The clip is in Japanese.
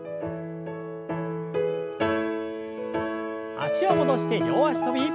脚を戻して両脚跳び。